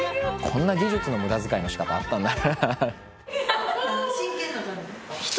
こんな技術の無駄遣いの仕方あったんだな。